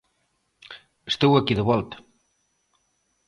Estou aquí de volta.